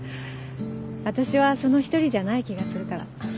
私はその一人じゃない気がするから。